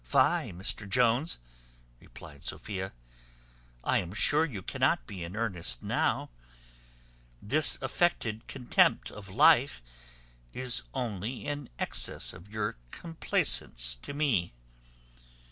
"Fie, Mr Jones!" replied Sophia; "I am sure you cannot be in earnest now. This affected contempt of life is only an excess of your complacence to me.